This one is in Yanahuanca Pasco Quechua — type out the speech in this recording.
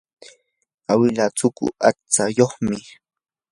awilaa suqu aqtsayuqmi.